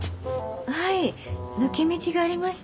はい抜け道がありまして。